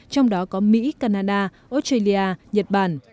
trong đó có mỹ canada australia nhật bản